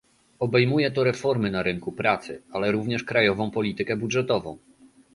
Obejmuje to reformy na rynku pracy, ale również krajową politykę budżetową